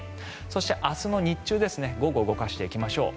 そして、明日の日中、午後動かしていきましょう。